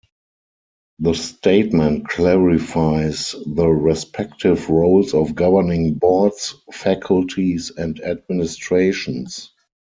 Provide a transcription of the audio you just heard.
The statement clarifies the respective roles of governing boards, faculties, and administrations.